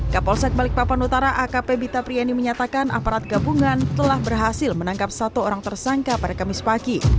kapolsek balikpapan utara akp bita priani menyatakan aparat gabungan telah berhasil menangkap satu orang tersangka pada kamis pagi